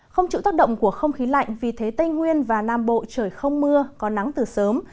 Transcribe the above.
không chịu tác động của không khí lạnh vì thế tây nguyên và nam bộ trời không mưa có nắng từ sớm